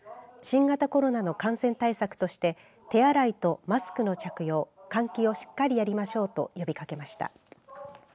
新型コロナの感染対策として手洗いとマスクの着用、換気をしっかりやりましょうと呼びかけました。